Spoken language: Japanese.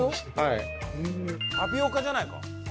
タピオカじゃないか？